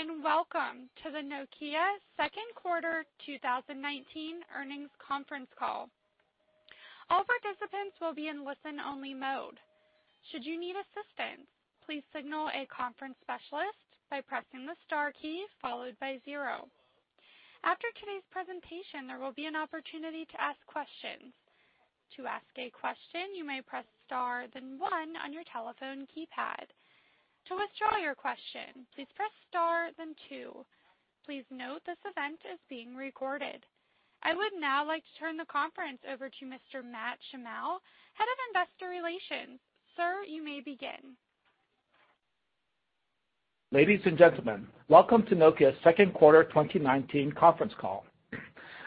Welcome to the Nokia second quarter 2019 earnings conference call. All participants will be in listen-only mode. Should you need assistance, please signal a conference specialist by pressing the star key followed by zero. After today's presentation, there will be an opportunity to ask questions. To ask a question, you may press star then one on your telephone keypad. To withdraw your question, please press star then two. Please note this event is being recorded. I would now like to turn the conference over to Mr. Matt Shimao, Head of Investor Relations. Sir, you may begin. Ladies and gentlemen, welcome to Nokia's second quarter 2019 conference call.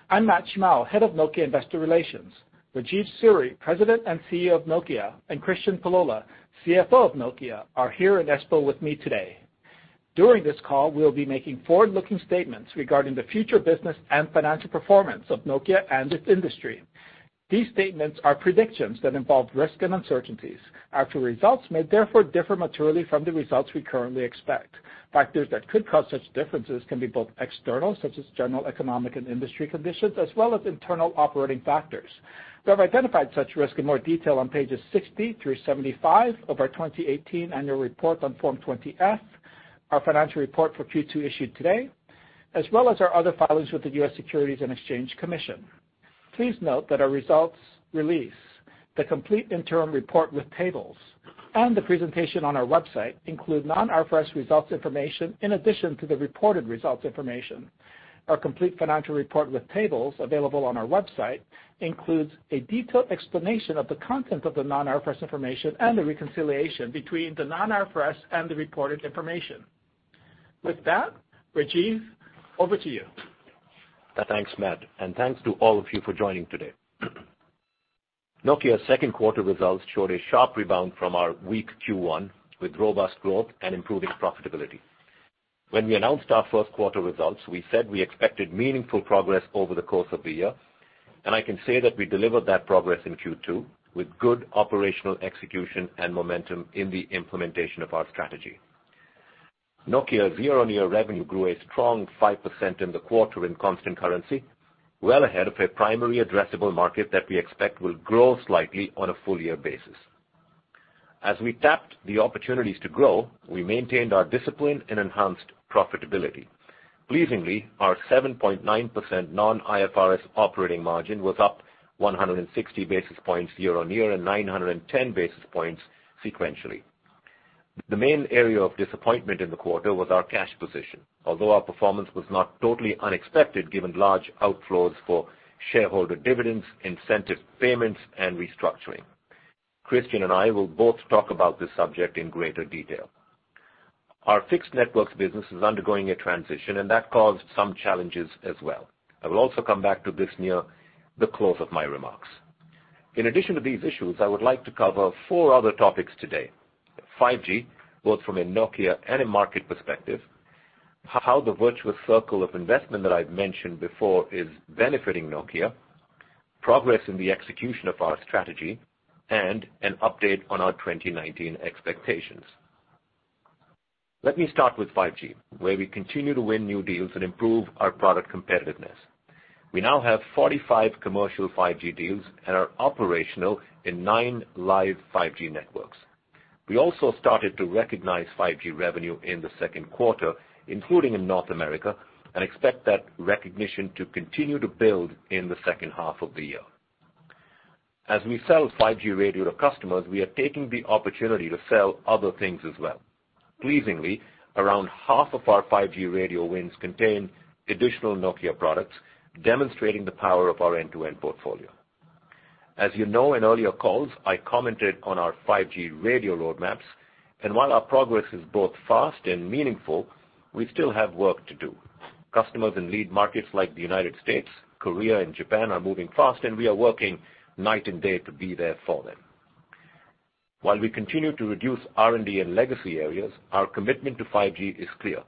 I'm Matt Shimao, head of Nokia investor relations. Rajeev Suri, President and CEO of Nokia, and Kristian Pullola, CFO of Nokia, are here in Espoo with me today. During this call, we'll be making forward-looking statements regarding the future business and financial performance of Nokia and its industry. These statements are predictions that involve risks and uncertainties. Actual results may therefore differ materially from the results we currently expect. Factors that could cause such differences can be both external, such as general economic and industry conditions, as well as internal operating factors. We have identified such risks in more detail on pages 60 through 75 of our 2018 annual report on Form 20-F, our financial report for Q2 issued today, as well as our other filings with the U.S. Securities and Exchange Commission. Please note that our results release, the complete interim report with tables, and the presentation on our website include non-IFRS results information in addition to the reported results information. Our complete financial report with tables available on our website includes a detailed explanation of the content of the non-IFRS information and the reconciliation between the non-IFRS and the reported information. With that, Rajeev, over to you. Thanks, Matt, and thanks to all of you for joining today. Nokia's second quarter results showed a sharp rebound from our weak Q1 with robust growth and improving profitability. When we announced our first quarter results, we said we expected meaningful progress over the course of the year, and I can say that we delivered that progress in Q2 with good operational execution and momentum in the implementation of our strategy. Nokia's year-on-year revenue grew a strong 5% in the quarter in constant currency, well ahead of a primary addressable market that we expect will grow slightly on a full year basis. As we tapped the opportunities to grow, we maintained our discipline and enhanced profitability. Pleasingly, our 7.9% non-IFRS operating margin was up 160 basis points year-on-year and 910 basis points sequentially. The main area of disappointment in the quarter was our cash position. Our performance was not totally unexpected, given large outflows for shareholder dividends, incentive payments, and restructuring. Kristian and I will both talk about this subject in greater detail. Our Fixed Networks business is undergoing a transition, that caused some challenges as well. I will also come back to this near the close of my remarks. In addition to these issues, I would like to cover four other topics today: 5G, both from a Nokia and a market perspective, how the virtuous circle of investment that I've mentioned before is benefiting Nokia, progress in the execution of our strategy, and an update on our 2019 expectations. Let me start with 5G, where we continue to win new deals and improve our product competitiveness. We now have 45 commercial 5G deals and are operational in nine live 5G networks. We also started to recognize 5G revenue in the second quarter, including in North America, and expect that recognition to continue to build in the second half of the year. As we sell 5G radio to customers, we are taking the opportunity to sell other things as well. Pleasingly, around half of our 5G radio wins contain additional Nokia products, demonstrating the power of our end-to-end portfolio. As you know, in earlier calls, I commented on our 5G radio roadmaps, and while our progress is both fast and meaningful, we still have work to do. Customers in lead markets like the U.S., Korea, and Japan are moving fast, and we are working night and day to be there for them. While we continue to reduce R&D in legacy areas, our commitment to 5G is clear.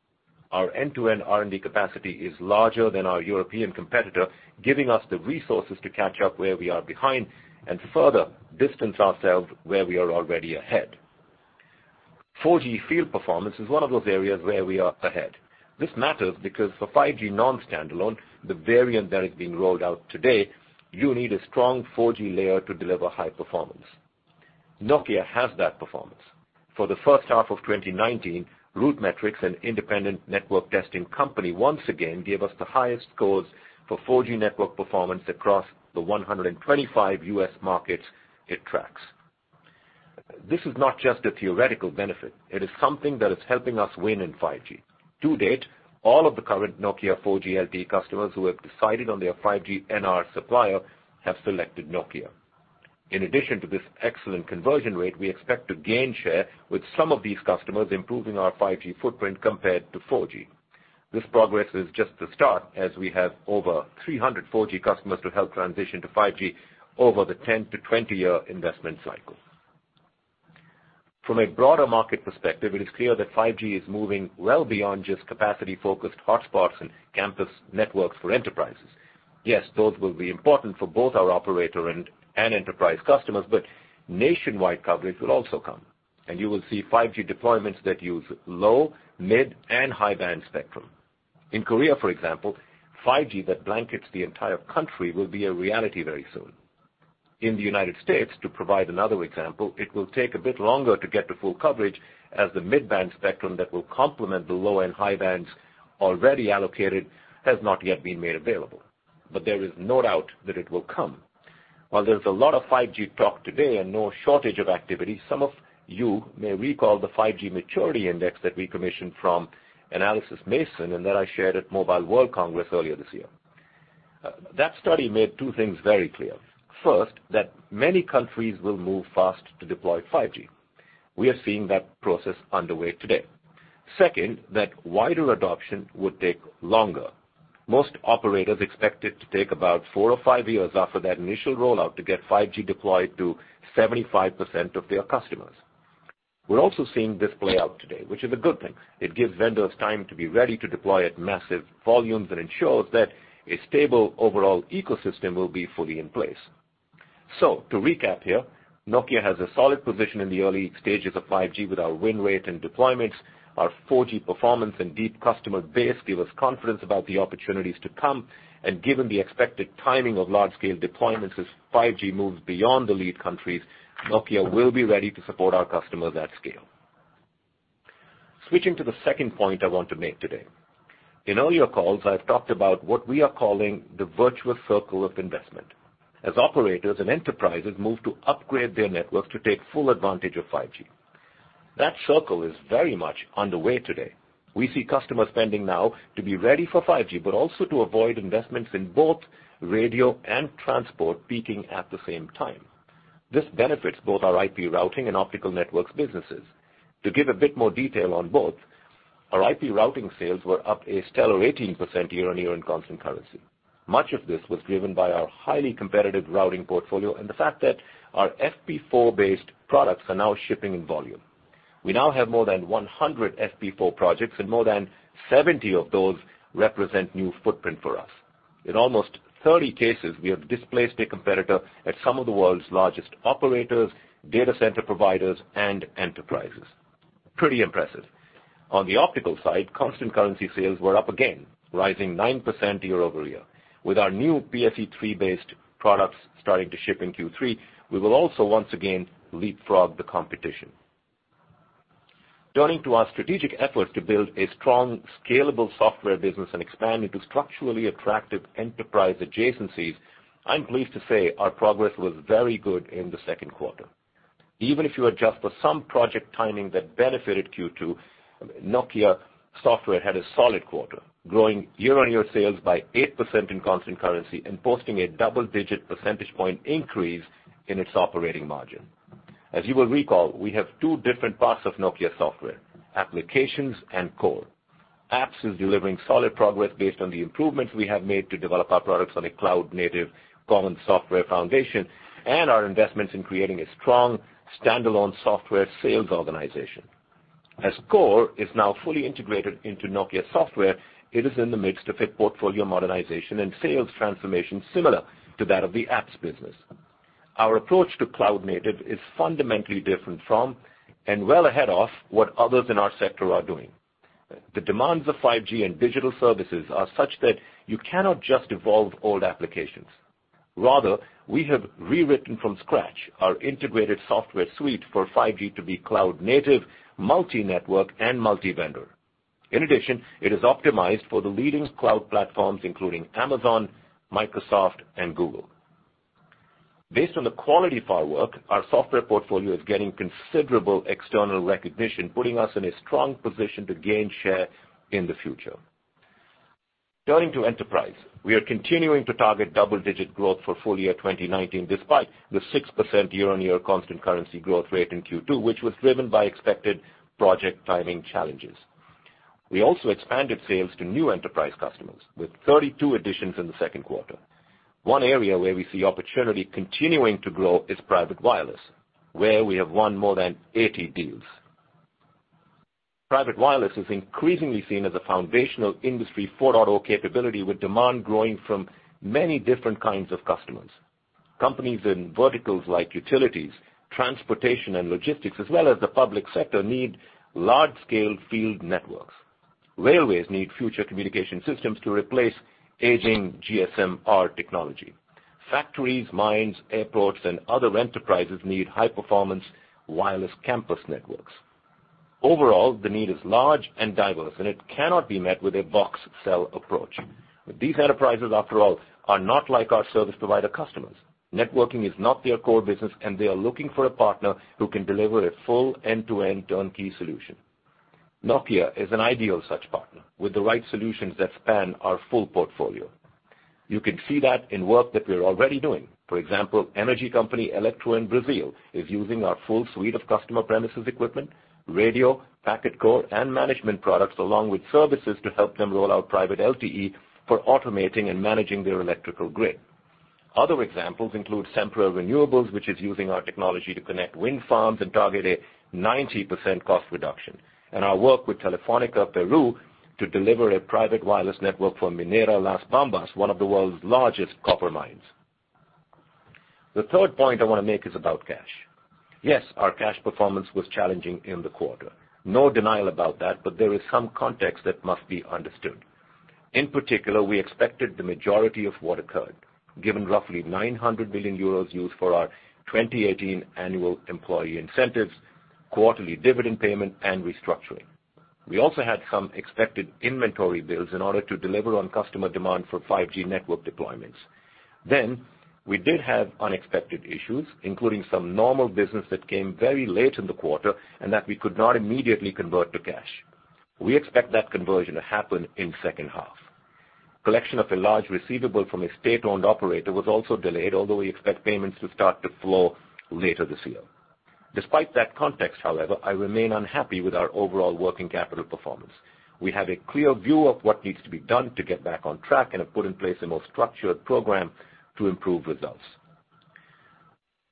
Our end-to-end R&D capacity is larger than our European competitor, giving us the resources to catch up where we are behind and further distance ourselves where we are already ahead. 4G field performance is one of those areas where we are ahead. This matters because for 5G non-standalone, the variant that is being rolled out today, you need a strong 4G layer to deliver high performance. Nokia has that performance. For the first half of 2019, RootMetrics, an independent network testing company, once again gave us the highest scores for 4G network performance across the 125 U.S. markets it tracks. This is not just a theoretical benefit. It is something that is helping us win in 5G. To date, all of the current Nokia 4G LTE customers who have decided on their 5G and our supplier have selected Nokia. In addition to this excellent conversion rate, we expect to gain share with some of these customers, improving our 5G footprint compared to 4G. This progress is just the start, as we have over 300 4G customers to help transition to 5G over the 10 to 20 year investment cycle. From a broader market perspective, it is clear that 5G is moving well beyond just capacity-focused hotspots and campus networks for enterprises. Yes, those will be important for both our operator and enterprise customers, but nationwide coverage will also come, and you will see 5G deployments that use low, mid, and high-band spectrum. In Korea, for example, 5G that blankets the entire country will be a reality very soon. In the U.S., to provide another example, it will take a bit longer to get to full coverage as the mid-band spectrum that will complement the low and high bands already allocated has not yet been made available. There is no doubt that it will come. While there's a lot of 5G talk today and no shortage of activity, some of you may recall the 5G maturity index that we commissioned from Analysys Mason and that I shared at Mobile World Congress earlier this year. That study made two things very clear. First, that many countries will move fast to deploy 5G. We are seeing that process underway today. Second, that wider adoption would take longer. Most operators expect it to take about four or five years after that initial rollout to get 5G deployed to 75% of their customers. We're also seeing this play out today, which is a good thing. It gives vendors time to be ready to deploy at massive volumes and ensures that a stable overall ecosystem will be fully in place. To recap here, Nokia has a solid position in the early stages of 5G with our win rate and deployments. Our 4G performance and deep customer base give us confidence about the opportunities to come. Given the expected timing of large-scale deployments as 5G moves beyond the lead countries, Nokia will be ready to support our customers at scale. Switching to the second point I want to make today. In earlier calls, I've talked about what we are calling the virtuous circle of investment, as operators and enterprises move to upgrade their network to take full advantage of 5G. That circle is very much underway today. We see customer spending now to be ready for 5G, but also to avoid investments in both radio and transport peaking at the same time. This benefits both our IP routing and optical networks businesses. To give a bit more detail on both, our IP routing sales were up a stellar 18% year-on-year in constant currency. Much of this was driven by our highly competitive routing portfolio and the fact that our FP4-based products are now shipping in volume. We now have more than 100 FP4 projects, and more than 70 of those represent new footprint for us. In almost 30 cases, we have displaced a competitor at some of the world's largest operators, data center providers, and enterprises. Pretty impressive. On the optical side, constant currency sales were up again, rising 9% year-over-year. With our new PSE-3-based products starting to ship in Q3, we will also once again leapfrog the competition. Turning to our strategic effort to build a strong, scalable software business and expand into structurally attractive enterprise adjacencies, I'm pleased to say our progress was very good in the second quarter. Even if you adjust for some project timing that benefited Q2, Nokia Software had a solid quarter, growing year-on-year sales by 8% in constant currency and posting a double-digit percentage point increase in its operating margin. As you will recall, we have two different parts of Nokia Software: applications and core. Apps is delivering solid progress based on the improvements we have made to develop our products on a cloud-native common software foundation and our investments in creating a strong standalone software sales organization. As core is now fully integrated into Nokia Software, it is in the midst of a portfolio modernization and sales transformation similar to that of the apps business. Our approach to cloud-native is fundamentally different from, and well ahead of what others in our sector are doing. The demands of 5G and digital services are such that you cannot just evolve old applications. Rather, we have rewritten from scratch our integrated software suite for 5G to be cloud-native, multi-network, and multi-vendor. In addition, it is optimized for the leading cloud platforms, including Amazon, Microsoft, and Google. Based on the quality of our work, our software portfolio is getting considerable external recognition, putting us in a strong position to gain share in the future. Turning to enterprise, we are continuing to target double-digit growth for full year 2019, despite the 6% year-on-year constant currency growth rate in Q2, which was driven by expected project timing challenges. We also expanded sales to new enterprise customers with 32 additions in the second quarter. One area where we see opportunity continuing to grow is private wireless, where we have won more than 80 deals. Private wireless is increasingly seen as a foundational Industry 4.0 capability with demand growing from many different kinds of customers. Companies in verticals like utilities, transportation, and logistics, as well as the public sector, need large-scale field networks. Railways need future communication systems to replace aging GSM-R technology. Factories, mines, airports, and other enterprises need high-performance wireless campus networks. Overall, the need is large and diverse, and it cannot be met with a box cell approach. These enterprises, after all, are not like our service provider customers. Networking is not their core business, and they are looking for a partner who can deliver a full end-to-end turnkey solution. Nokia is an ideal such partner with the right solutions that span our full portfolio. You can see that in work that we're already doing. For example, energy company Elektro in Brazil is using our full suite of customer premises equipment, radio, packet core, and management products along with services to help them roll out private LTE for automating and managing their electrical grid. Other examples include Sempra Renewables, which is using our technology to connect wind farms and target a 90% cost reduction. Our work with Telefónica Peru to deliver a private wireless network for Minera Las Bambas, one of the world's largest copper mines. The third point I want to make is about cash. Yes, our cash performance was challenging in the quarter. There is some context that must be understood. In particular, we expected the majority of what occurred, given roughly 900 million euros used for our 2018 annual employee incentives, quarterly dividend payment, and restructuring. We also had some expected inventory builds in order to deliver on customer demand for 5G network deployments. We did have unexpected issues, including some normal business that came very late in the quarter, and that we could not immediately convert to cash. We expect that conversion to happen in second half. Collection of a large receivable from a state-owned operator was also delayed, although we expect payments to start to flow later this year. Despite that context, however, I remain unhappy with our overall working capital performance. We have a clear view of what needs to be done to get back on track and have put in place a more structured program to improve results.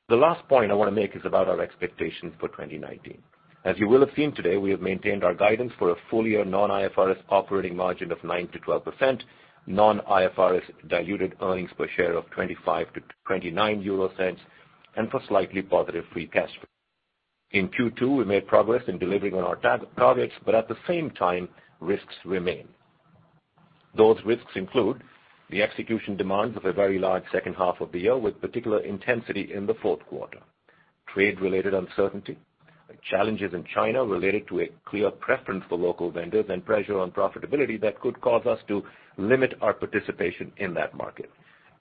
The last point I want to make is about our expectations for 2019. As you will have seen today, we have maintained our guidance for a full-year non-IFRS operating margin of 9%-12%, non-IFRS diluted earnings per share of 0.25-0.29 euro, and for slightly positive free cash flow. In Q2, we made progress in delivering on our targets, at the same time, risks remain. Those risks include the execution demands of a very large second half of the year, with particular intensity in the fourth quarter. Trade-related uncertainty, challenges in China related to a clear preference for local vendors, and pressure on profitability that could cause us to limit our participation in that market.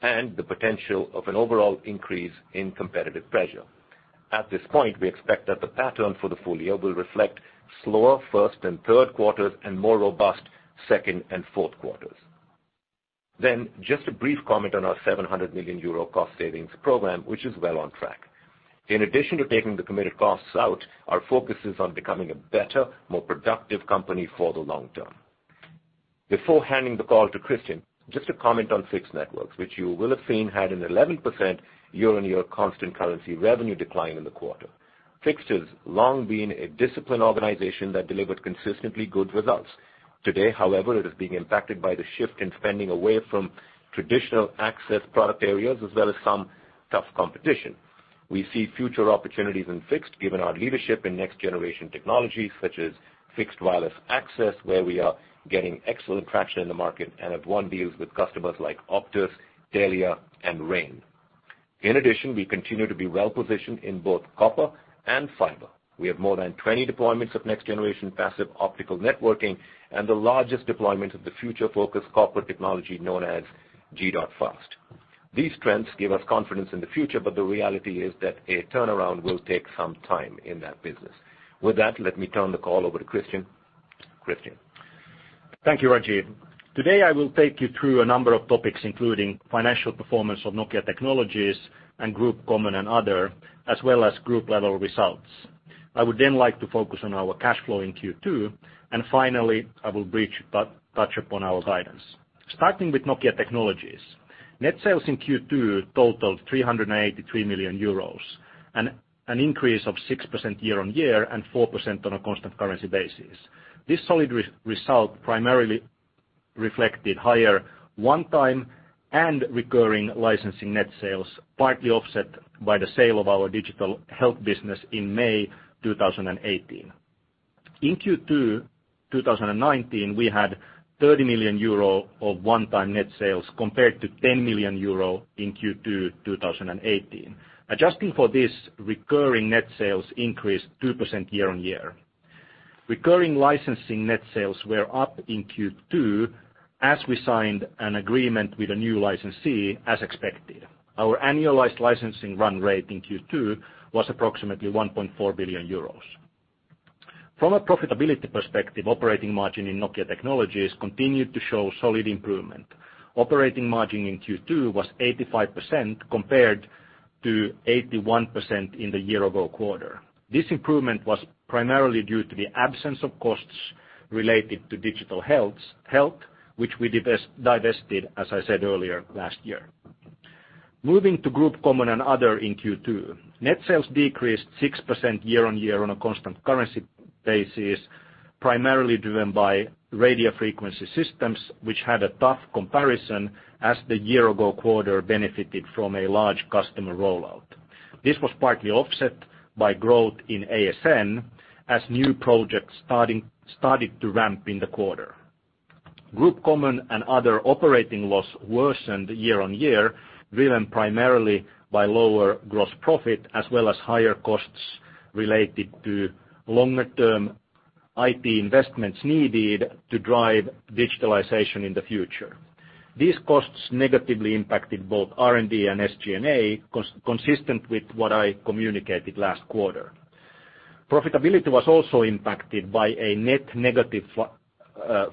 The potential of an overall increase in competitive pressure. At this point, we expect that the pattern for the full year will reflect slower first and third quarters and more robust second and fourth quarters. Just a brief comment on our 700 million euro cost savings program, which is well on track. In addition to taking the committed costs out, our focus is on becoming a better, more productive company for the long term. Before handing the call to Kristian, just a comment on Fixed Networks, which you will have seen had an 11% year-on-year constant currency revenue decline in the quarter. Fixed has long been a disciplined organization that delivered consistently good results. Today, however, it is being impacted by the shift in spending away from traditional access product areas as well as some tough competition. We see future opportunities in Fixed given our leadership in next-generation technologies such as fixed wireless access, where we are getting excellent traction in the market and have won deals with customers like Optus, Telia, and rain. In addition, we continue to be well-positioned in both copper and fiber. We have more than 20 deployments of next-generation passive optical networking and the largest deployment of the future-focused copper technology known as G.fast. These trends give us confidence in the future, but the reality is that a turnaround will take some time in that business. With that, let me turn the call over to Kristian. Kristian? Thank you, Rajeev. Today, I will take you through a number of topics, including financial performance of Nokia Technologies and Group Common and Other, as well as group-level results. I would then like to focus on our cash flow in Q2, and finally, I will touch upon our guidance. Starting with Nokia Technologies. Net sales in Q2 totaled 383 million euros, an increase of 6% year-on-year and 4% on a constant currency basis. This solid result primarily reflected higher one-time and recurring licensing net sales, partly offset by the sale of our Digital Health business in May 2018. In Q2 2019, we had 30 million euro of one-time net sales, compared to 10 million euro in Q2 2018. Adjusting for this, recurring net sales increased 2% year-on-year. Recurring licensing net sales were up in Q2 as we signed an agreement with a new licensee as expected. Our annualized licensing run rate in Q2 was approximately 1.4 billion euros. From a profitability perspective, operating margin in Nokia Technologies continued to show solid improvement. Operating margin in Q2 was 85% compared to 81% in the year-ago quarter. This improvement was primarily due to the absence of costs related to Digital Health, which we divested, as I said earlier, last year. Moving to Group Common and Other in Q2. Net sales decreased 6% year-on-year on a constant currency basis, primarily driven by Radio Frequency Systems, which had a tough comparison as the year-ago quarter benefited from a large customer rollout. This was partly offset by growth in ASN as new projects started to ramp in the quarter. Group Common and Other operating loss worsened year-on-year, driven primarily by lower gross profit as well as higher costs related to longer-term IT investments needed to drive digitalization in the future. These costs negatively impacted both R&D and SG&A, consistent with what I communicated last quarter. Profitability was also impacted by a net negative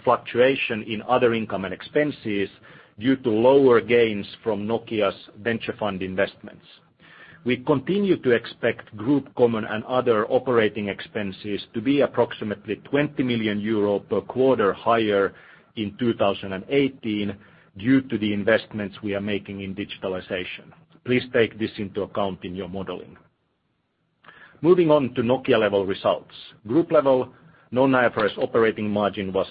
fluctuation in other income and expenses due to lower gains from Nokia's venture fund investments. We continue to expect Group Common and Other operating expenses to be approximately 20 million euro per quarter higher in 2018 due to the investments we are making in digitalization. Please take this into account in your modeling. Moving on to Nokia level results. Group level, non-IFRS operating margin was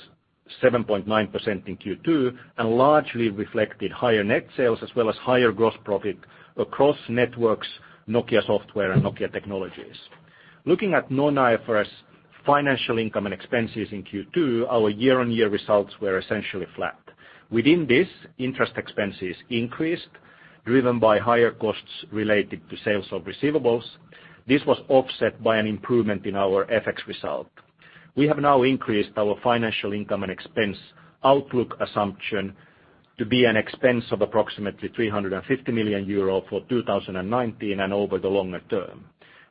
7.9% in Q2. Largely reflected higher net sales as well as higher gross profit across networks, Nokia Software and Nokia Technologies. Looking at non-IFRS financial income and expenses in Q2, our year-on-year results were essentially flat. Within this, interest expenses increased, driven by higher costs related to sales of receivables. This was offset by an improvement in our FX result. We have now increased our financial income and expense outlook assumption to be an expense of approximately 350 million euro for 2019 and over the longer term.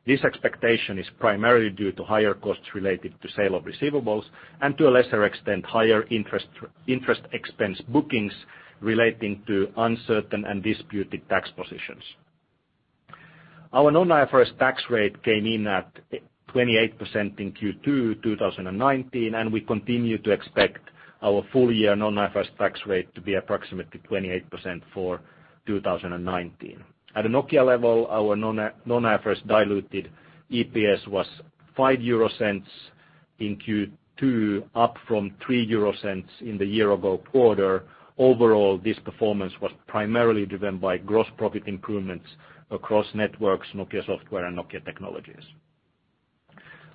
This expectation is primarily due to higher costs related to sale of receivables and, to a lesser extent, higher interest expense bookings relating to uncertain and disputed tax positions. Our non-IFRS tax rate came in at 28% in Q2 2019, and we continue to expect our full year non-IFRS tax rate to be approximately 28% for 2019. At a Nokia level, our non-IFRS diluted EPS was 0.05 in Q2, up from 0.03 in the year-ago quarter. Overall, this performance was primarily driven by gross profit improvements across Networks, Nokia Software and Nokia Technologies.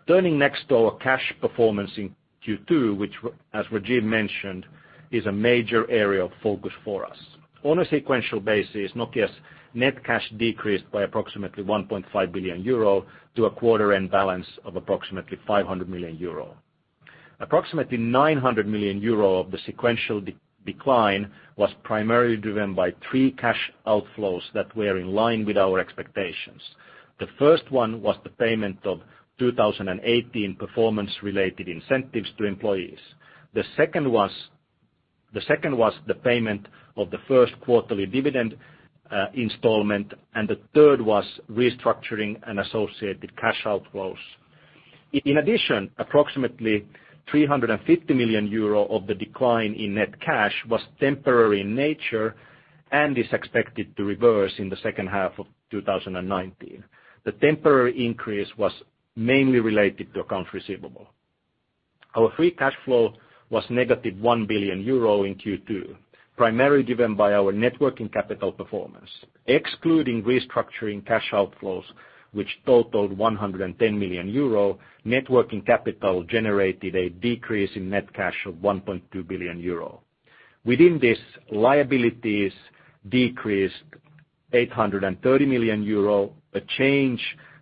Turning next to our cash performance in Q2, which as Rajeev mentioned, is a major area of focus for us. On a sequential basis, Nokia's net cash decreased by approximately 1.5 billion euro to a quarter-end balance of approximately 500 million euro. Approximately 900 million euro of the sequential decline was primarily driven by three cash outflows that were in line with our expectations. The first one was the payment of 2018 performance-related incentives to employees. The second was the payment of the first quarterly dividend installment, and the third was restructuring and associated cash outflows. In addition, approximately 350 million euro of the decline in net cash was temporary in nature and is expected to reverse in the second half of 2019. The temporary increase was mainly related to accounts receivable. Our free cash flow was negative 1 billion euro in Q2, primarily driven by our net working capital performance. Excluding restructuring cash outflows, which totaled 110 million euro, networking capital generated a decrease in net cash of 1.2 billion euro. Within this, liabilities decreased 830 million euro, a change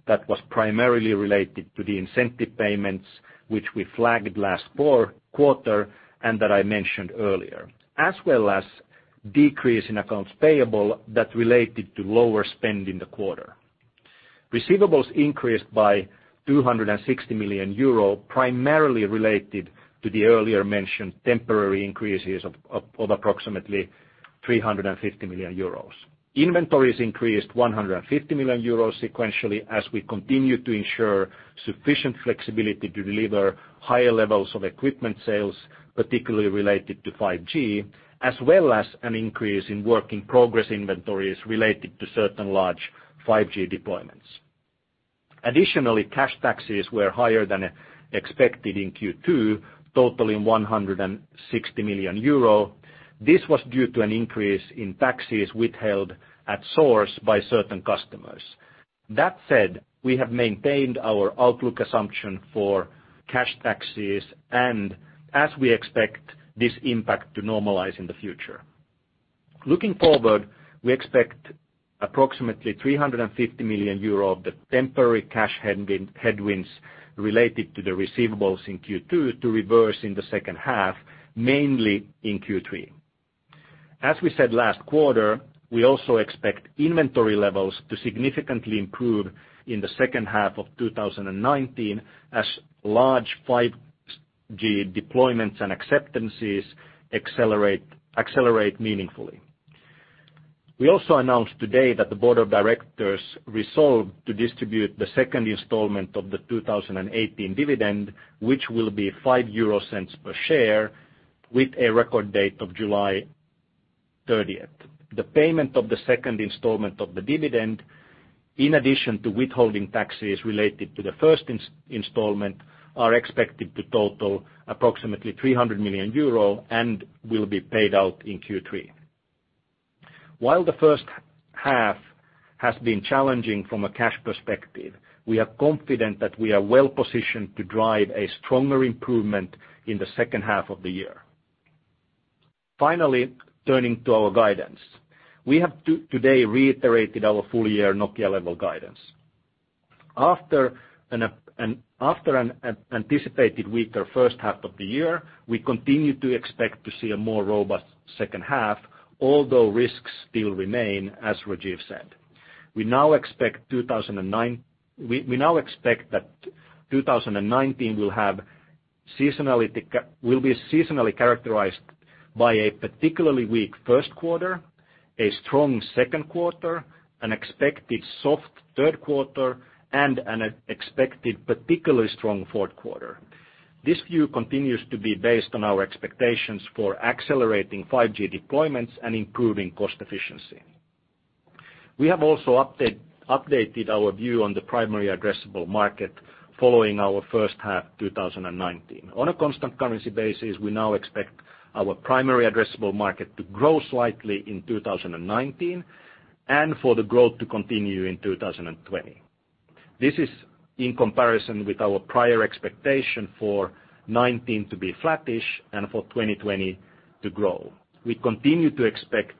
that was primarily related to the incentive payments which we flagged last quarter and that I mentioned earlier, as well as decrease in accounts payable that related to lower spend in the quarter. Receivables increased by 260 million euro, primarily related to the earlier mentioned temporary increases of approximately 350 million euros. Inventories increased 150 million euros sequentially as we continue to ensure sufficient flexibility to deliver higher levels of equipment sales, particularly related to 5G, as well as an increase in work-in-progress inventories related to certain large 5G deployments. Additionally, cash taxes were higher than expected in Q2, totaling 160 million euro. This was due to an increase in taxes withheld at source by certain customers. That said, we have maintained our outlook assumption for cash taxes, as we expect this impact to normalize in the future. Looking forward, we expect approximately 350 million euro of the temporary cash headwinds related to the receivables in Q2 to reverse in the second half, mainly in Q3. As we said last quarter, we also expect inventory levels to significantly improve in the second half of 2019 as large 5G deployments and acceptances accelerate meaningfully. We also announced today that the board of directors resolved to distribute the second installment of the 2018 dividend, which will be 0.05 per share with a record date of July 30th. The payment of the second installment of the dividend, in addition to withholding taxes related to the first installment, are expected to total approximately 300 million euro and will be paid out in Q3. While the first half has been challenging from a cash perspective, we are confident that we are well-positioned to drive a stronger improvement in the second half of the year. Finally, turning to our guidance. We have today reiterated our full-year Nokia level guidance. After an anticipated weaker first half of the year, we continue to expect to see a more robust second half, although risks still remain, as Rajeev said. We now expect that 2019 will be seasonally characterized by a particularly weak first quarter, a strong second quarter, an expected soft third quarter, and an expected particularly strong fourth quarter. This view continues to be based on our expectations for accelerating 5G deployments and improving cost efficiency. We have also updated our view on the primary addressable market following our first half 2019. On a constant currency basis, we now expect our primary addressable market to grow slightly in 2019, and for the growth to continue in 2020. This is in comparison with our prior expectation for 2019 to be flattish and for 2020 to grow. We continue to expect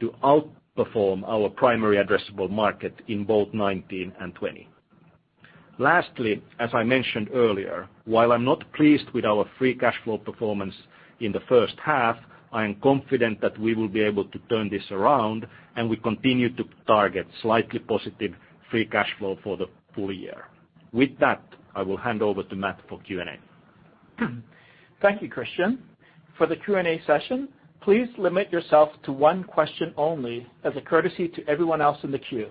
to outperform our primary addressable market in both 2019 and 2020. Lastly, as I mentioned earlier, while I'm not pleased with our free cash flow performance in the first half, I am confident that we will be able to turn this around, and we continue to target slightly positive free cash flow for the full year. With that, I will hand over to Matt for Q&A. Thank you, Kristian. For the Q&A session, please limit yourself to one question only as a courtesy to everyone else in the queue.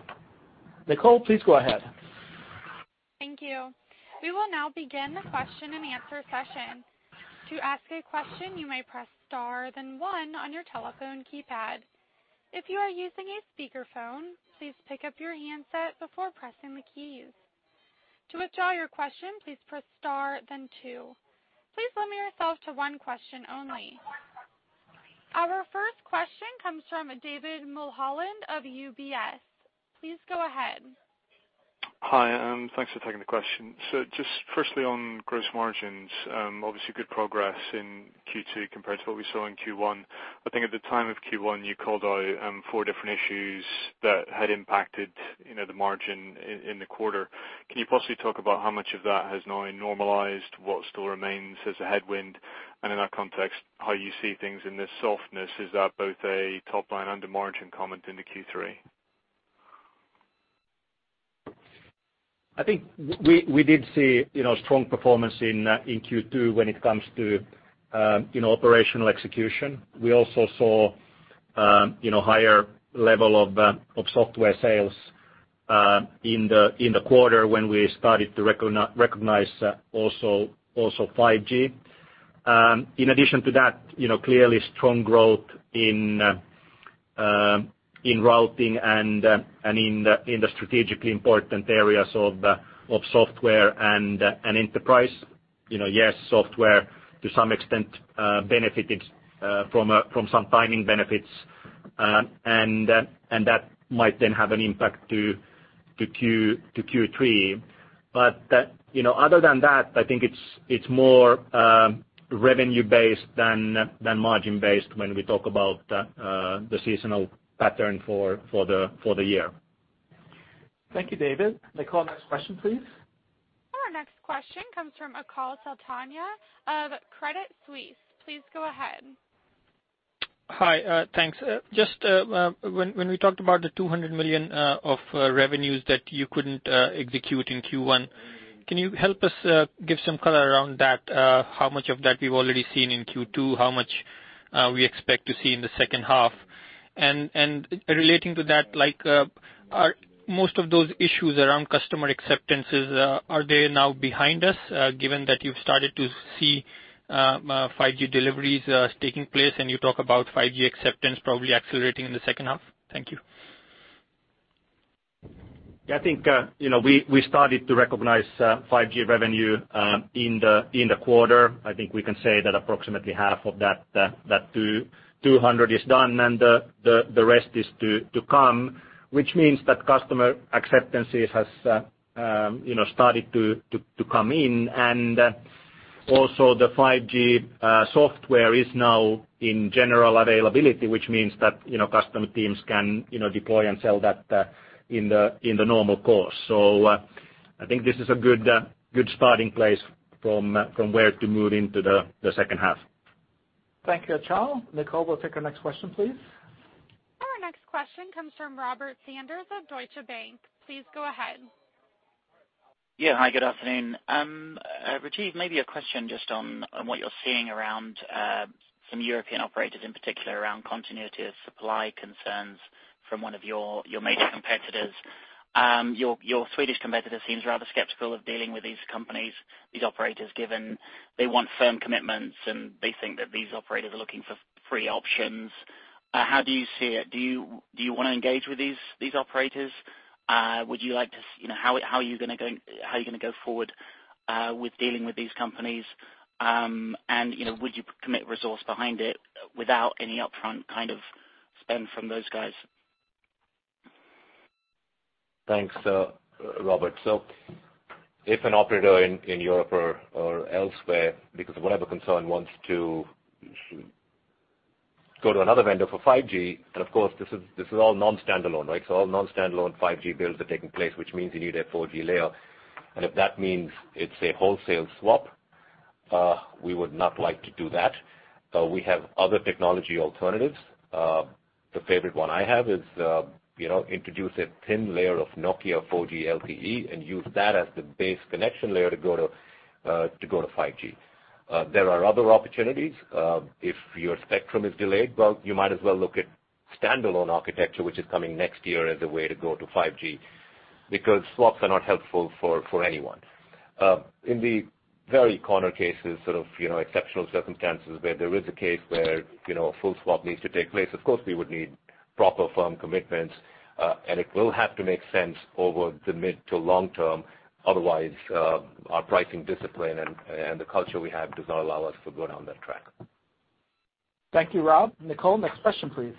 Nicole, please go ahead. Thank you. We will now begin the question and answer session. To ask a question, you may press star then one on your telephone keypad. If you are using a speakerphone, please pick up your handset before pressing the keys. To withdraw your question, please press star then two. Please limit yourself to one question only. Our first question comes from David Mulholland of UBS. Please go ahead. Hi, thanks for taking the question. Just firstly on gross margins, obviously good progress in Q2 compared to what we saw in Q1. I think at the time of Q1, you called out four different issues that had impacted the margin in the quarter. Can you possibly talk about how much of that has now normalized, what still remains as a headwind, and in that context, how you see things in this softness? Is that both a top line and a margin comment into Q3? I think we did see strong performance in Q2 when it comes to operational execution. We also saw higher level of software sales in the quarter when we started to recognize also 5G. Clearly strong growth in routing and in the strategically important areas of software and enterprise. Software to some extent benefited from some timing benefits, and that might then have an impact to Q3. Other than that, I think it's more revenue-based than margin-based when we talk about the seasonal pattern for the year. Thank you, David. Nicole, next question, please. Our next question comes from Achal Sultania of Credit Suisse. Please go ahead. Hi, thanks. Just when we talked about the 200 million of revenues that you couldn't execute in Q1, can you help us give some color around that? How much of that we've already seen in Q2, how much we expect to see in the second half. Relating to that, most of those issues around customer acceptances, are they now behind us, given that you've started to see 5G deliveries taking place and you talk about 5G acceptance probably accelerating in the second half? Thank you. Yeah, I think we started to recognize 5G revenue in the quarter. I think we can say that approximately half of that 200 is done, the rest is to come, which means that customer acceptances has started to come in. Also the 5G software is now in general availability, which means that customer teams can deploy and sell that in the normal course. I think this is a good starting place from where to move into the second half. Thank you, Achal. Nicole, we'll take our next question, please. Our next question comes from Robert Sanders of Deutsche Bank. Please go ahead. Yeah. Hi, good afternoon. Rajeev, maybe a question just on what you're seeing around some European operators, in particular around continuity of supply concerns from one of your major competitors. Your Swedish competitor seems rather skeptical of dealing with these companies, these operators, given they want firm commitments and they think that these operators are looking for free options. How do you see it? Do you want to engage with these operators? How are you going to go forward with dealing with these companies? Would you commit resource behind it without any upfront spend from those guys? Thanks, Robert. If an operator in Europe or elsewhere, because of whatever concern, wants to go to another vendor for 5G, and of course, this is all non-standalone. All non-standalone 5G builds are taking place, which means you need a 4G layer. If that means it's a wholesale swap, we would not like to do that. We have other technology alternatives. The favorite one I have is introduce a thin layer of Nokia 4G LTE and use that as the base connection layer to go to 5G. There are other opportunities. If your spectrum is delayed, well, you might as well look at Standalone architecture, which is coming next year as a way to go to 5G. Swaps are not helpful for anyone. In the very corner cases, exceptional circumstances where there is a case where a full swap needs to take place, of course, we would need proper firm commitments, and it will have to make sense over the mid to long term. Otherwise, our pricing discipline and the culture we have does not allow us to go down that track. Thank you, Rob. Nicole, next question, please.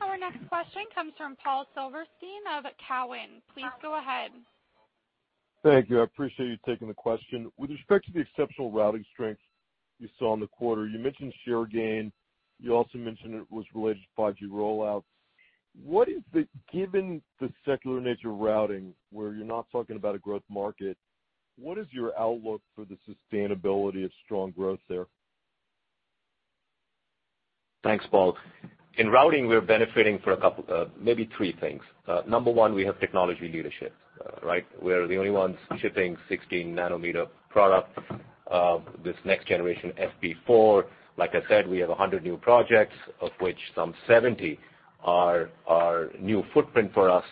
Our next question comes from Paul Silverstein of Cowen. Please go ahead. Thank you. I appreciate you taking the question. With respect to the exceptional routing strength you saw in the quarter, you mentioned share gain. You also mentioned it was related to 5G roll-outs. Given the secular nature of routing, where you're not talking about a growth market, what is your outlook for the sustainability of strong growth there? Thanks, Paul. In routing, we're benefiting from maybe three things. Number one, we have technology leadership. We're the only ones shipping 16 nanometer product, this next generation FP4. Like I said, we have 100 new projects, of which some 70 are new footprint for us.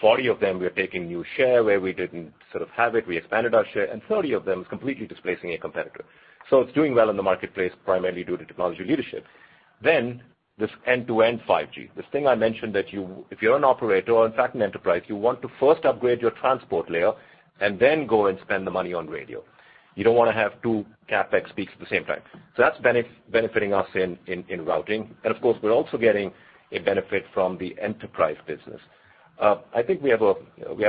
40 of them, we are taking new share where we didn't have it, we expanded our share, and 30 of them is completely displacing a competitor. It's doing well in the marketplace primarily due to technology leadership. This end-to-end 5G. This thing I mentioned that if you're an operator or in fact, an enterprise, you want to first upgrade your transport layer and then go and spend the money on radio. You don't want to have two CapEx peaks at the same time. That's benefiting us in routing. Of course, we're also getting a benefit from the enterprise business. I think we have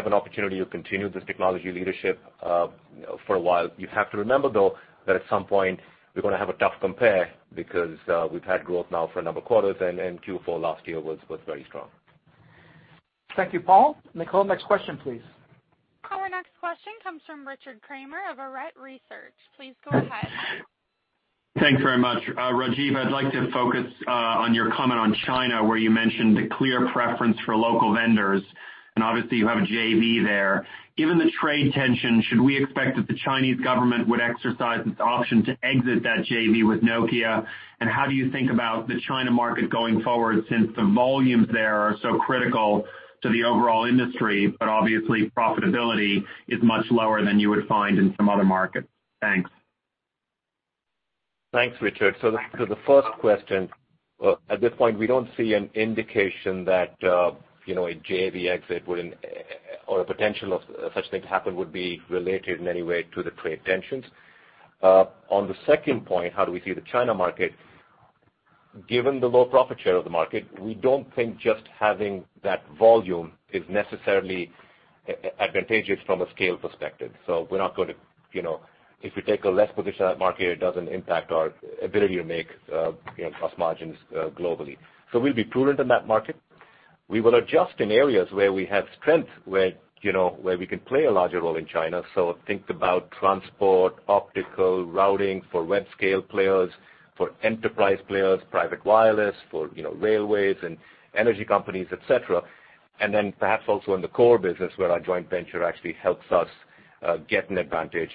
an opportunity to continue this technology leadership for a while. You have to remember, though, that at some point, we're going to have a tough compare because we've had growth now for a number of quarters, Q4 last year was very strong. Thank you, Paul. Nicole, next question, please. Our next question comes from Richard Kramer of Arete Research. Please go ahead. Thanks very much. Rajeev, I'd like to focus on your comment on China, where you mentioned a clear preference for local vendors, and obviously you have a JV there. Given the trade tension, should we expect that the Chinese government would exercise its option to exit that JV with Nokia? How do you think about the China market going forward, since the volumes there are so critical to the overall industry, but obviously profitability is much lower than you would find in some other markets? Thanks. Thanks, Richard. The first question, at this point, we don't see an indication that a JV exit or a potential of such thing to happen would be related in any way to the trade tensions. On the second point, how do we see the China market, given the low profit share of the market, we don't think just having that volume is necessarily advantageous from a scale perspective. If we take a less position on that market, it doesn't impact our ability to make gross margins globally. We'll be prudent in that market. We will adjust in areas where we have strength, where we can play a larger role in China. Think about transport, optical, routing for web-scale players, for enterprise players, private wireless, for railways and energy companies, et cetera. Perhaps also in the core business where our joint venture actually helps us get an advantage.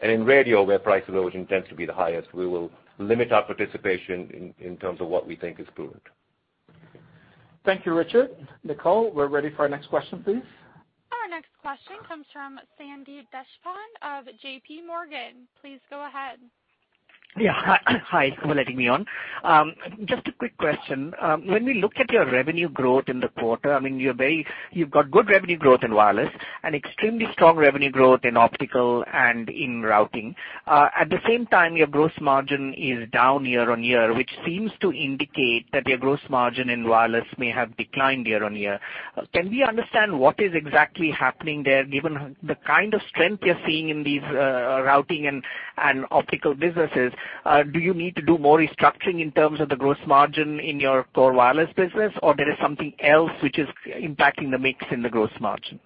In radio, where price erosion tends to be the highest, we will limit our participation in terms of what we think is prudent. Thank you, Richard. Nicole, we're ready for our next question, please. Our next question comes from Sandeep Deshpande of J.P. Morgan. Please go ahead. Hi, thanks for letting me on. Just a quick question. When we look at your revenue growth in the quarter, you've got good revenue growth in wireless and extremely strong revenue growth in optical and in routing. At the same time, your gross margin is down year-on-year, which seems to indicate that your gross margin in wireless may have declined year-on-year. Can we understand what is exactly happening there, given the kind of strength you're seeing in these routing and optical businesses? Do you need to do more restructuring in terms of the gross margin in your core wireless business? There is something else which is impacting the mix in the gross margin?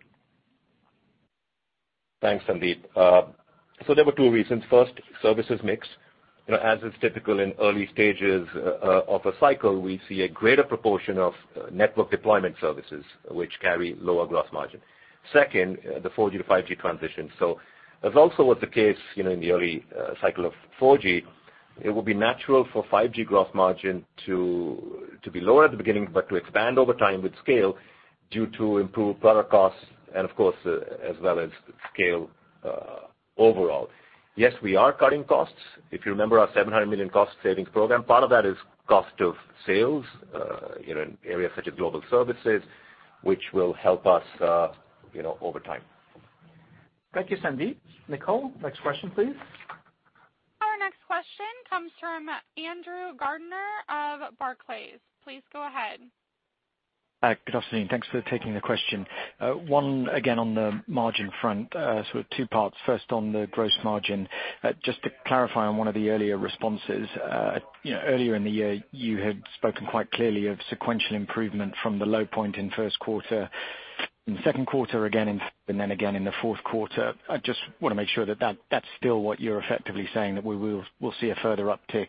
Thanks, Sandeep. There were two reasons. First, services mix. As is typical in early stages of a cycle, we see a greater proportion of network deployment services, which carry lower gross margin. Second, the 4G to 5G transition. As also was the case in the early cycle of 4G, it will be natural for 5G gross margin to be lower at the beginning but to expand over time with scale due to improved product costs and of course, as well as scale overall. Yes, we are cutting costs. If you remember our 700 million cost savings program, part of that is cost of sales, in areas such as global services, which will help us over time. Thank you, Sandeep. Nicole, next question, please. Our next question comes from Andrew Gardiner of Barclays. Please go ahead. Good afternoon. Thanks for taking the question. One again on the margin front, sort of two parts. First on the gross margin. Just to clarify on one of the earlier responses. Earlier in the year, you had spoken quite clearly of sequential improvement from the low point in first quarter and second quarter again, then again in the fourth quarter. I just want to make sure that that's still what you're effectively saying, that we'll see a further uptick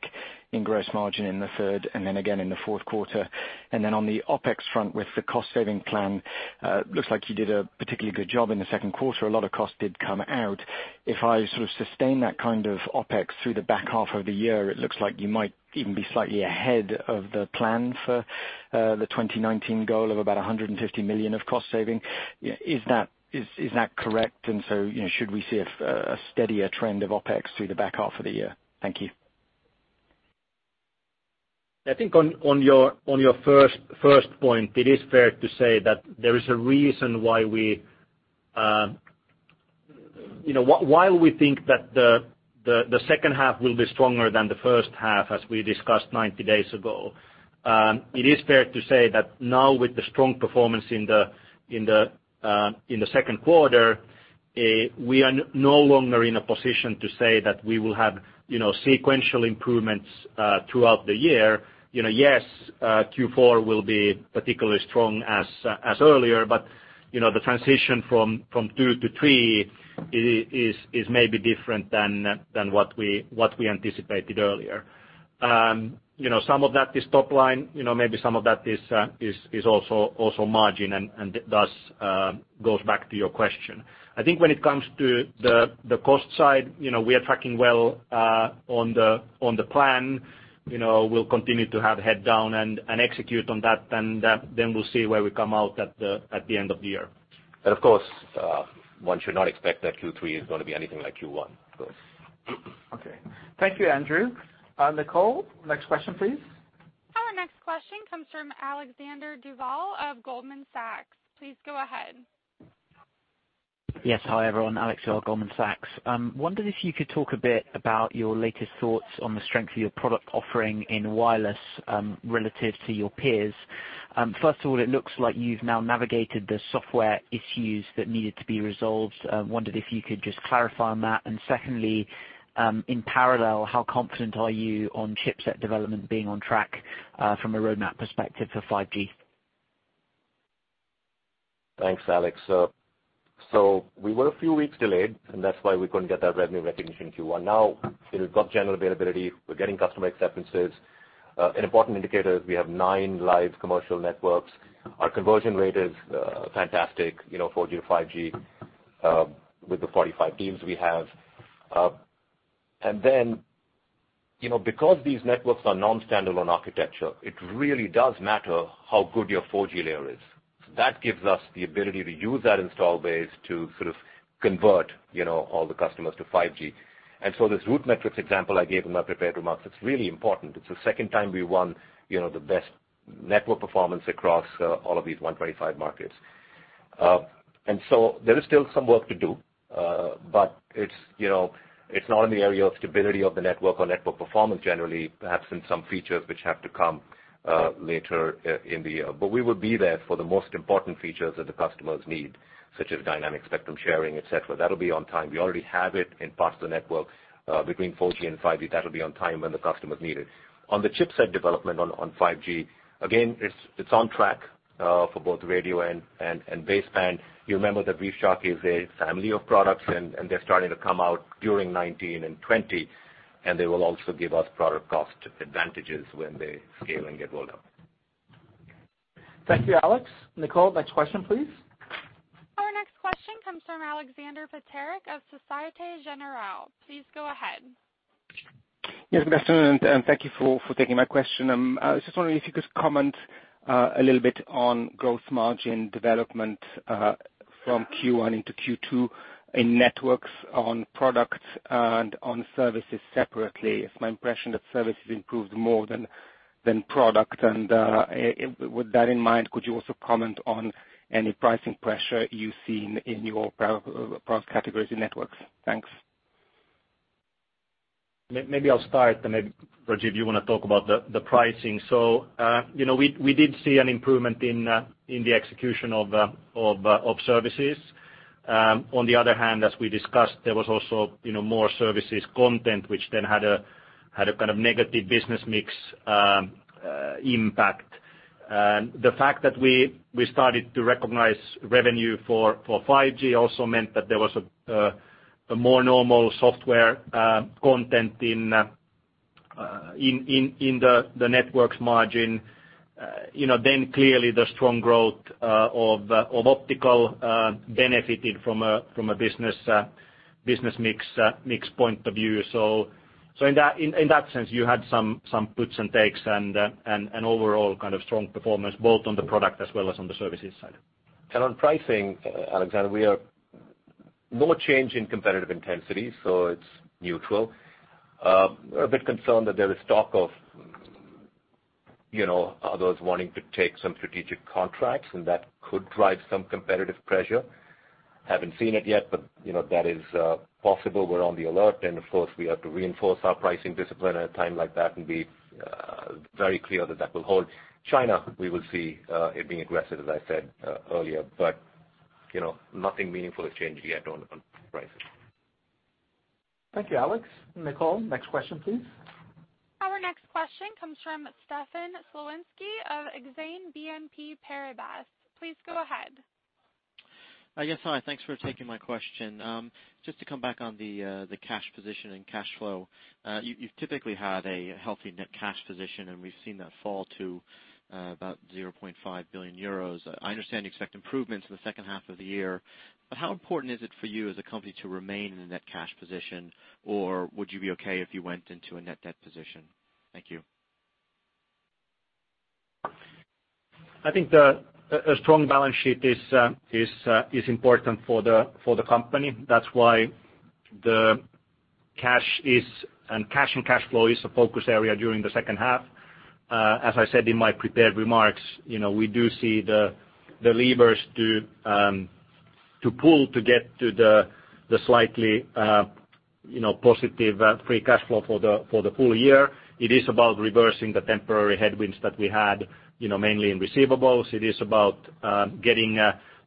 in gross margin in the third and then again in the fourth quarter. Then on the OpEx front with the cost-saving plan, looks like you did a particularly good job in the second quarter. A lot of costs did come out. If I sort of sustain that kind of OpEx through the back half of the year, it looks like you might even be slightly ahead of the plan for the 2019 goal of about 150 million of cost saving. Is that correct? Should we see a steadier trend of OpEx through the back half of the year? Thank you. I think on your first point, it is fair to say that there is a reason why we think that the second half will be stronger than the first half, as we discussed 90 days ago. It is fair to say that now with the strong performance in the second quarter, we are no longer in a position to say that we will have sequential improvements throughout the year. Yes, Q4 will be particularly strong as earlier, the transition from two to three is maybe different than what we anticipated earlier. Some of that is top line, maybe some of that is also margin, thus goes back to your question. I think when it comes to the cost side, we are tracking well on the plan. We'll continue to have head down and execute on that, then we'll see where we come out at the end of the year. Of course, one should not expect that Q3 is going to be anything like Q1. Okay. Thank you, Andrew. Nicole, next question, please. Our next question comes from Alexander Duval of Goldman Sachs. Please go ahead. Yes. Hi, everyone. Alexander Duval, Goldman Sachs. Wondered if you could talk a bit about your latest thoughts on the strength of your product offering in wireless, relative to your peers. First of all, it looks like you've now navigated the software issues that needed to be resolved. Wondered if you could just clarify on that. Secondly, in parallel, how confident are you on chipset development being on track, from a roadmap perspective for 5G? Thanks, Alex. We were a few weeks delayed, and that's why we couldn't get that revenue recognition in Q1. Now it has got general availability. We're getting customer acceptances. An important indicator is we have nine live commercial networks. Our conversion rate is fantastic, 4G to 5G, with the 45 teams we have. Because these networks are non-standalone architecture, it really does matter how good your 4G layer is. That gives us the ability to use that install base to sort of convert all the customers to 5G. This RootMetrics example I gave in my prepared remarks, it's really important. It's the second time we won the best network performance across all of these 125 markets. There is still some work to do. It's not in the area of stability of the network or network performance generally, perhaps in some features which have to come later in the year. We will be there for the most important features that the customers need, such as dynamic spectrum sharing, et cetera. That'll be on time. We already have it in parts of the network, between 4G and 5G. That'll be on time when the customers need it. On the chipset development on 5G, again, it's on track, for both radio and baseband. You remember that ReefShark is a family of products, and they're starting to come out during 2019 and 2020, and they will also give us product cost advantages when they scale and get rolled out. Thank you, Alex. Nicole, next question, please. Our next question comes from Alexander Peterc of Societe Generale. Please go ahead. Yes, good afternoon. Thank you for taking my question. I was just wondering if you could comment a little bit on gross margin development from Q1 into Q2 in networks, on products and on services separately. It's my impression that services improved more than product. With that in mind, could you also comment on any pricing pressure you've seen in your product category networks? Thanks. Maybe I'll start, then maybe Rajeev, you want to talk about the pricing. We did see an improvement in the execution of services. On the other hand, as we discussed, there was also more services content, which then had a kind of negative business mix impact. The fact that we started to recognize revenue for 5G also meant that there was a more normal software content in the networks margin. Clearly the strong growth of optical benefited from a business mix point of view. In that sense, you had some puts and takes and overall kind of strong performance both on the product as well as on the services side. On pricing, Alexander, we are more change in competitive intensity, so it's neutral. We're a bit concerned that there is talk of others wanting to take some strategic contracts and that could drive some competitive pressure. Haven't seen it yet, but that is possible. We're on the alert and of course we have to reinforce our pricing discipline at a time like that and be very clear that will hold. China, we will see it being aggressive, as I said earlier, but nothing meaningful has changed yet on pricing. Thank you, Alex. Nicole, next question, please. Our next question comes from Stefan Slowinski of Exane BNP Paribas. Please go ahead. Yes. Hi. Thanks for taking my question. Just to come back on the cash position and cash flow. You've typically had a healthy net cash position, and we've seen that fall to about 0.5 billion euros. I understand you expect improvements in the second half of the year, but how important is it for you as a company to remain in a net cash position? Would you be okay if you went into a net debt position? Thank you. I think a strong balance sheet is important for the company. That's why the cash and cash flow is a focus area during the second half. As I said in my prepared remarks, we do see the levers to pull to get to the slightly positive free cash flow for the full year. It is about reversing the temporary headwinds that we had mainly in receivables. It is about getting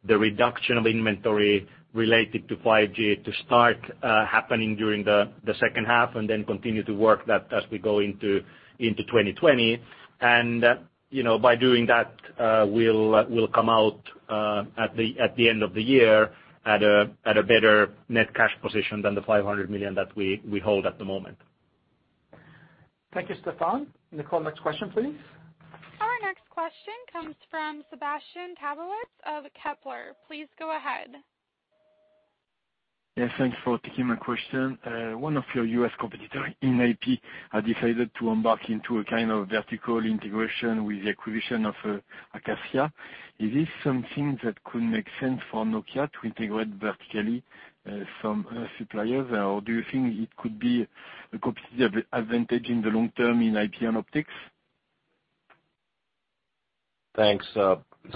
the reduction of inventory related to 5G to start happening during the second half and then continue to work that as we go into 2020. By doing that, we'll come out at the end of the year at a better net cash position than the 500 million that we hold at the moment. Thank you, Stefan. Nicole, next question, please. Our next question comes from Sebastien Sztabowicz of Kepler. Please go ahead. Yes, thanks for taking my question. One of your U.S. competitor in IP has decided to embark into a kind of vertical integration with the acquisition of Acacia. Is this something that could make sense for Nokia to integrate vertically some suppliers? Do you think it could be a competitive advantage in the long term in IP and optics? Thanks,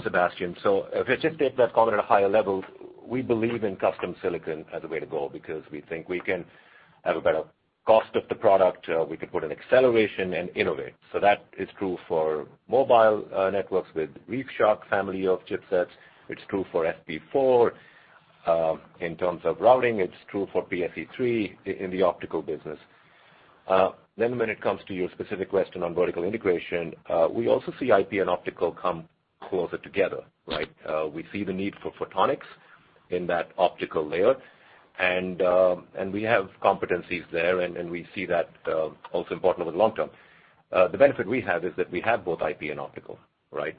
Sebastien. If I just take that comment at a higher level, we believe in custom silicon as a way to go because we think we can have a better cost of the product, we can put an acceleration and innovate. That is true for mobile networks with ReefShark family of chipsets. It's true for FP4. In terms of routing, it's true for PSE-3 in the optical business. When it comes to your specific question on vertical integration, we also see IP and optical come closer together, right? We see the need for photonics in that optical layer, and we have competencies there, and we see that also important over the long term. The benefit we have is that we have both IP and optical, right?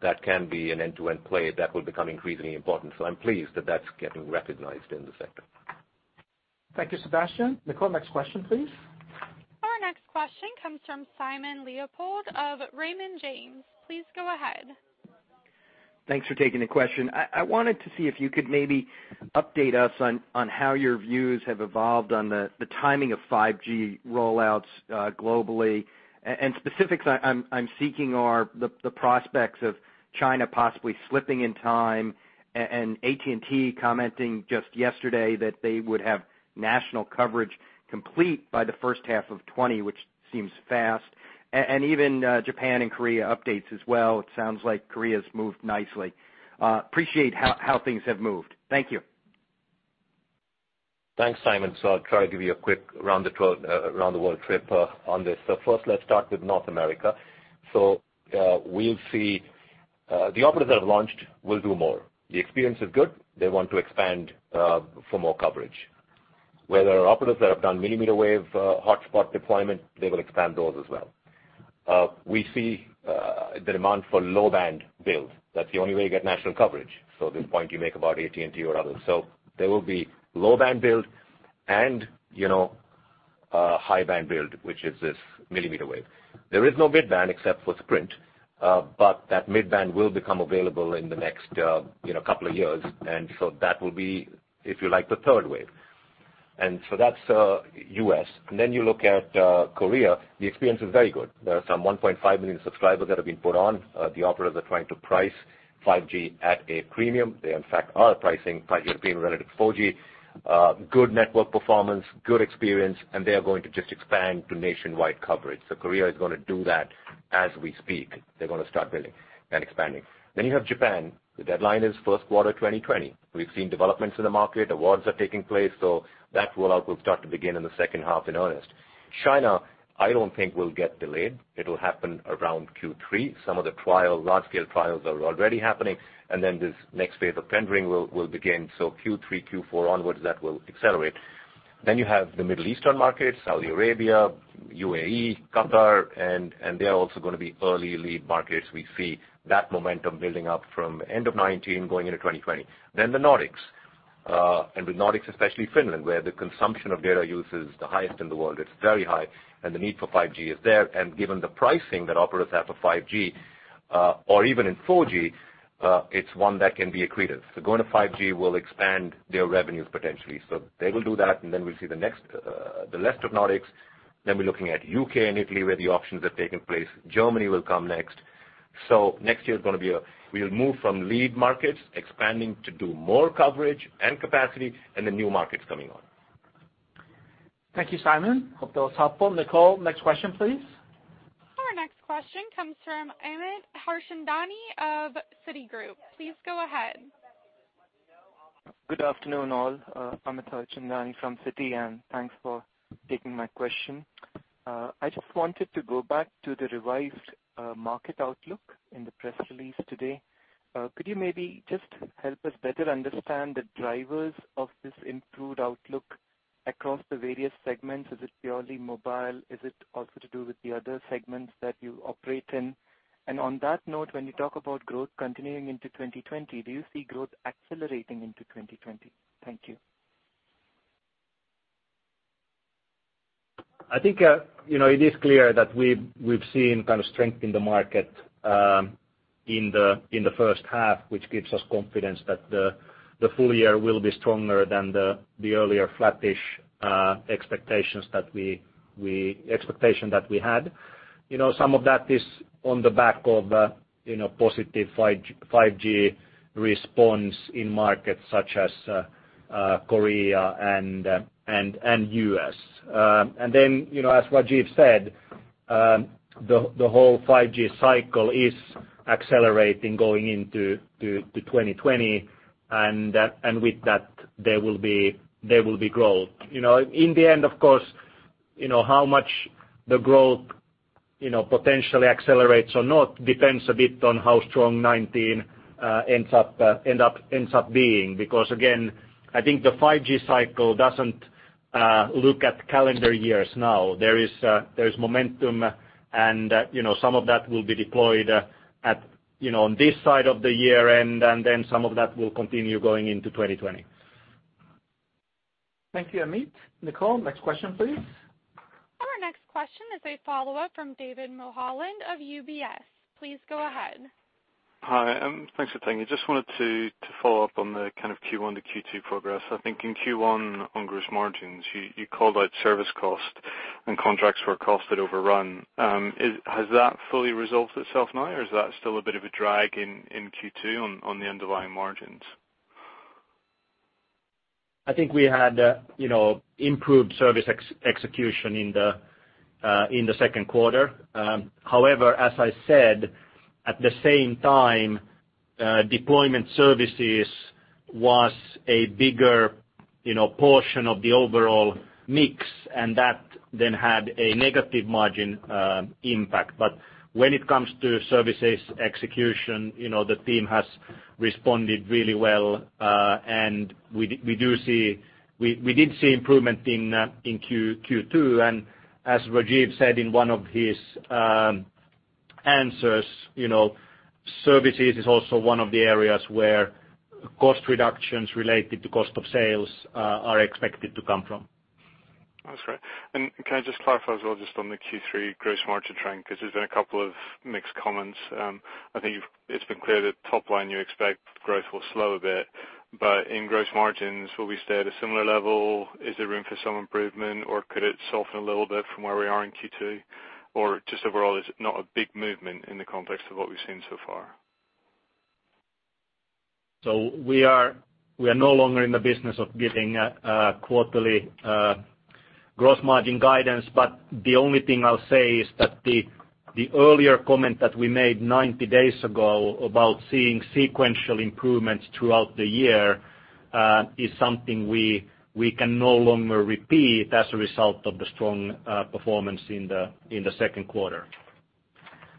That can be an end-to-end play that will become increasingly important. I'm pleased that that's getting recognized in the sector. Thank you, Sebastien. Nicole, next question, please. Our next question comes from Simon Leopold of Raymond James. Please go ahead. Thanks for taking the question. I wanted to see if you could maybe update us on how your views have evolved on the timing of 5G rollouts globally. Specifics I'm seeking are the prospects of China possibly slipping in time and AT&T commenting just yesterday that they would have national coverage complete by the first half of 2020, which seems fast. Even Japan and Korea updates as well. It sounds like Korea's moved nicely. Appreciate how things have moved. Thank you. Thanks, Simon. I'll try to give you a quick around the world trip on this. First, let's start with North America. We'll see the operators that have launched will do more. The experience is good. They want to expand for more coverage. Where there are operators that have done millimeter wave hotspot deployment, they will expand those as well. We see the demand for low-band build. That's the only way you get national coverage. The point you make about AT&T or others. There will be low-band build and high-band build, which is this millimeter wave. There is no mid-band except for Sprint, but that mid-band will become available in the next couple of years. That will be, if you like, the third wave. That's U.S. You look at Korea, the experience is very good. There are some 1.5 million subscribers that have been put on. The operators are trying to price 5G at a premium. They, in fact, are pricing 5G premium relative to 4G. Good network performance, good experience. They are going to just expand to nationwide coverage. Korea is going to do that as we speak. They're going to start building and expanding. You have Japan. The deadline is first quarter 2020. We've seen developments in the market. Awards are taking place. That rollout will start to begin in the second half in earnest. China, I don't think will get delayed. It'll happen around Q3. Some of the large-scale trials are already happening. This next phase of tendering will begin, so Q3, Q4 onwards, that will accelerate. You have the Middle Eastern markets, Saudi Arabia, UAE, Qatar, and they are also going to be early lead markets. We see that momentum building up from end of 2019 going into 2020. The Nordics. With Nordics, especially Finland, where the consumption of data use is the highest in the world. It's very high, and the need for 5G is there. Given the pricing that operators have for 5G, or even in 4G, it's one that can be accretive. Going to 5G will expand their revenues potentially. They will do that, and then we'll see the rest of Nordics. We're looking at U.K. and Italy, where the auctions have taken place. Germany will come next. Next year we'll move from lead markets expanding to do more coverage and capacity and the new markets coming on. Thank you, Simon. Hope that was helpful. Nicole, next question, please. Our next question comes from Amit Harchandani of Citigroup. Please go ahead. Good afternoon, all. Amit Harchandani from Citi, Thanks for taking my question. I just wanted to go back to the revised market outlook in the press release today. Could you maybe just help us better understand the drivers of this improved outlook across the various segments? Is it purely mobile? Is it also to do with the other segments that you operate in? On that note, when you talk about growth continuing into 2020, do you see growth accelerating into 2020? Thank you. I think it is clear that we've seen strength in the market in the first half, which gives us confidence that the full year will be stronger than the earlier flattish expectation that we had. Some of that is on the back of positive 5G response in markets such as Korea and U.S. Then, as Rajeev said, the whole 5G cycle is accelerating going into 2020, and with that there will be growth. In the end, of course, how much the growth potentially accelerates or not depends a bit on how strong 2019 ends up being, because again, I think the 5G cycle doesn't look at calendar years now. There is momentum and some of that will be deployed on this side of the year, and then some of that will continue going into 2020. Thank you, Amit. Nicole, next question, please. Our next question is a follow-up from David Mulholland of UBS. Please go ahead. Hi, and thanks for taking it. Just wanted to follow up on the kind of Q1 to Q2 progress. I think in Q1, on gross margins, you called out service cost and contracts were costed overrun. Has that fully resolved itself now, or is that still a bit of a drag in Q2 on the underlying margins? I think we had improved service execution in the second quarter. As I said, at the same time, deployment services was a bigger portion of the overall mix, and that then had a negative margin impact. When it comes to services execution, the team has responded really well, and we did see improvement in Q2. As Rajeev said in one of his answers, services is also one of the areas where cost reductions related to cost of sales are expected to come from. That's great. Can I just clarify as well just on the Q3 gross margin trend, because there's been a couple of mixed comments. I think it's been clear that top line, you expect growth will slow a bit, but in gross margins, will we stay at a similar level? Is there room for some improvement, or could it soften a little bit from where we are in Q2? Just overall, is it not a big movement in the context of what we've seen so far? We are no longer in the business of giving quarterly gross margin guidance, but the only thing I'll say is that the earlier comment that we made 90 days ago about seeing sequential improvements throughout the year, is something we can no longer repeat as a result of the strong performance in the second quarter.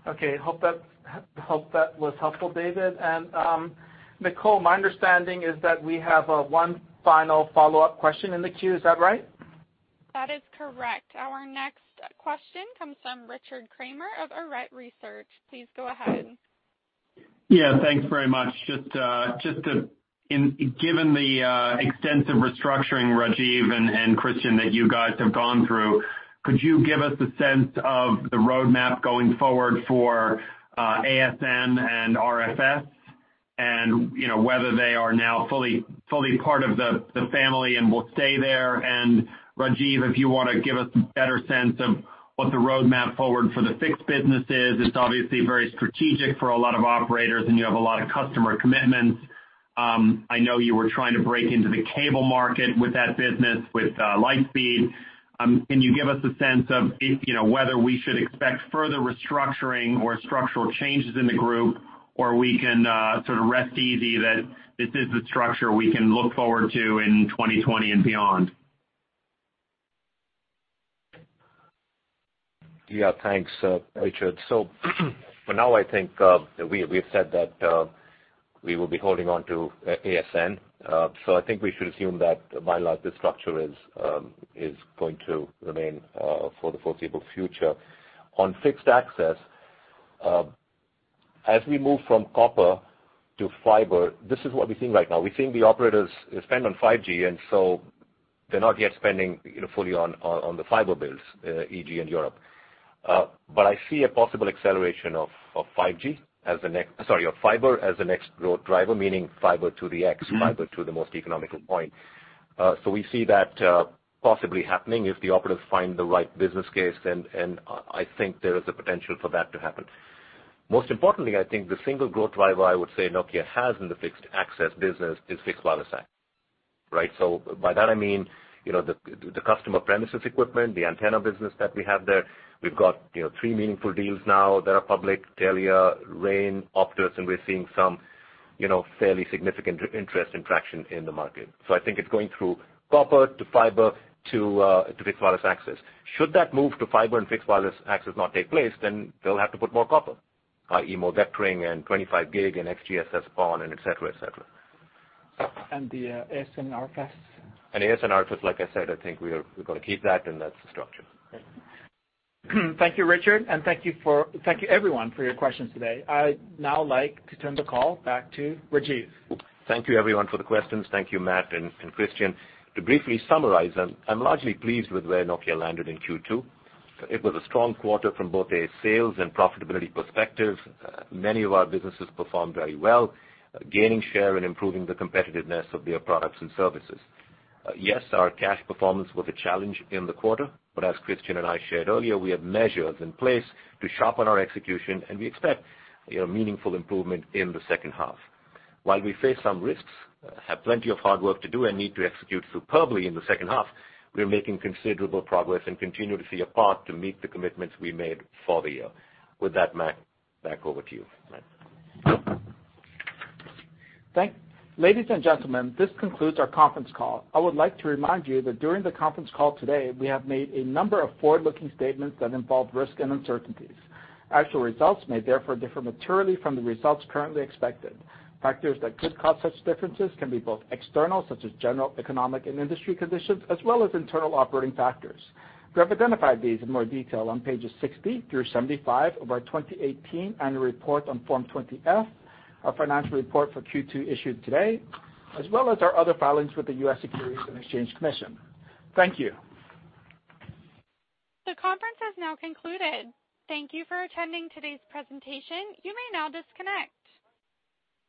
Okay. Hope that was helpful, David. Nicole, my understanding is that we have one final follow-up question in the queue. Is that right? That is correct. Our next question comes from Richard Kramer of Arete Research. Please go ahead. Yeah, thanks very much. Just given the extensive restructuring, Rajeev and Kristian, that you guys have gone through, could you give us a sense of the roadmap going forward for ASN and RFS? Whether they are now fully part of the family and will stay there. Rajeev, if you want to give us a better sense of what the roadmap forward for the Fixed Networks business is. It's obviously very strategic for a lot of operators, and you have a lot of customer commitments. I know you were trying to break into the cable market with that business with Lightspan. Can you give us a sense of whether we should expect further restructuring or structural changes in the group, or we can sort of rest easy that this is the structure we can look forward to in 2020 and beyond? Yeah. Thanks, Richard. For now, I think we've said that we will be holding on to ASN. I think we should assume that by and large, this structure is going to remain for the foreseeable future. On fixed access, as we move from copper to fiber, this is what we're seeing right now. We're seeing the operators spend on 5G, they're not yet spending fully on the fiber builds, e.g. in Europe. I see a possible acceleration of fiber as the next growth driver, meaning fiber to the x, fiber to the most economical point. We see that possibly happening if the operators find the right business case, and I think there is a potential for that to happen. Most importantly, I think the single growth driver, I would say Nokia has in the fixed access business is fixed wireless access. By that I mean, the customer premises equipment, the antenna business that we have there. We've got three meaningful deals now that are public, Telia, rain, Optus, and we're seeing some fairly significant interest and traction in the market. I think it's going through copper to fiber to fixed wireless access. Should that move to fiber and fixed wireless access not take place, then they'll have to put more copper, i.e. more vectoring and 25 gig and XGS-PON, and et cetera. The ASN, RFS? ASN, RFS, like I said, I think we're going to keep that, and that's the structure. Great. Thank you, Richard, and thank you everyone for your questions today. I'd now like to turn the call back to Rajeev. Thank you, everyone, for the questions. Thank you, Matt and Kristian. To briefly summarize, I am largely pleased with where Nokia landed in Q2. It was a strong quarter from both a sales and profitability perspective. Many of our businesses performed very well, gaining share and improving the competitiveness of their products and services. Yes, our cash performance was a challenge in the quarter, but as Kristian and I shared earlier, we have measures in place to sharpen our execution, and we expect meaningful improvement in the second half. While we face some risks, have plenty of hard work to do, and need to execute superbly in the second half, we are making considerable progress and continue to see a path to meet the commitments we made for the year. With that, Matt, back over to you. Ladies and gentlemen, this concludes our conference call. I would like to remind you that during the conference call today, we have made a number of forward-looking statements that involve risk and uncertainties. Actual results may therefore differ materially from the results currently expected. Factors that could cause such differences can be both external, such as general economic and industry conditions, as well as internal operating factors. We have identified these in more detail on pages 60 through 75 of our 2018 annual report on Form 20-F, our financial report for Q2 issued today, as well as our other filings with the U.S. Securities and Exchange Commission. Thank you. The conference has now concluded. Thank you for attending today's presentation. You may now disconnect.